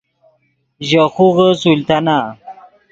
ژے خوغے سلطانہ